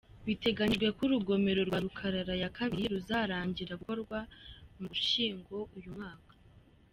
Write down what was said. Biteganyijwe ko urugomero rwa Rukarara ya kabiri ruzarangira gukorwa mu Ugushyingo uyu mwaka.